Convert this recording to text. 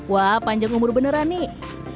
wah panjang umur beneran nih